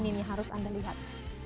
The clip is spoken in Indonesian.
ini harus anda lihat